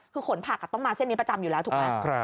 คือขนผักต้องมาเส้นนี้ประจำอยู่แล้วถูกไหม